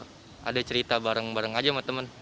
ada cerita bareng bareng aja sama teman